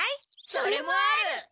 それもある！